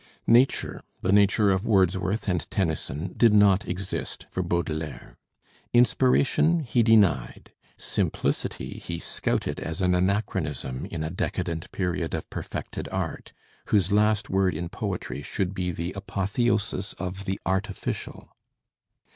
Nature, the nature of Wordsworth and Tennyson, did not exist for Baudelaire; inspiration he denied; simplicity he scouted as an anachronism in a decadent period of perfected art, whose last word in poetry should be the apotheosis of the Artificial.